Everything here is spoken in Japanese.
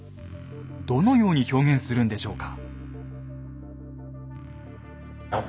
どのように表現するんでしょうか。